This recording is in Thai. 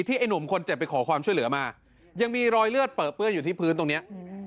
ไอ้หนุ่มคนเจ็บไปขอความช่วยเหลือมายังมีรอยเลือดเปลือเปื้อนอยู่ที่พื้นตรงเนี้ย